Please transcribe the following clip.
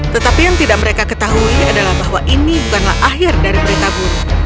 tetapi yang tidak mereka ketahui adalah bahwa ini bukanlah akhir dari berita buruk